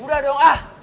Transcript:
udah dong ah